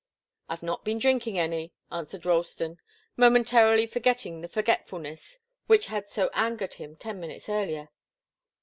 "I've not been drinking any," answered Ralston, momentarily forgetting the forgetfulness which had so angered him ten minutes earlier.